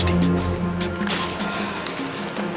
gue mau pergi ke rumah